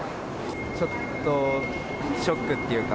ちょっとショックっていうか。